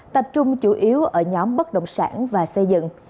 tập trung chủ yếu ở nhóm bất động sản và xây dựng